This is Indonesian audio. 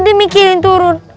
udah mikirin turun